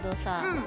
うん。